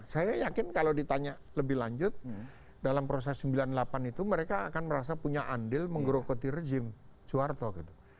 saya yakin kalau ditanya lebih lanjut dalam proses sembilan puluh delapan itu mereka akan merasa punya andil menggerogoti rejim soeharto gitu